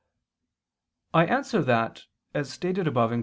I answer that, As stated above (Q.